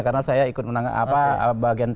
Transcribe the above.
karena saya ikut bagian